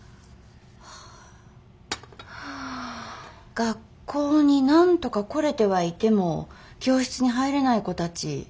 学校になんとか来れてはいても教室に入れない子たち。